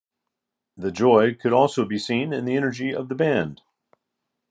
The joy could also be seen in the energy of the band.